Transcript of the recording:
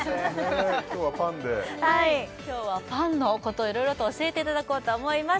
今日はパンで今日はパンのことをいろいろと教えていただこうと思います